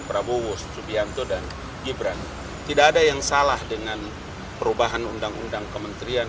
prabowo subianto dan gibran tidak ada yang salah dengan perubahan undang undang kementerian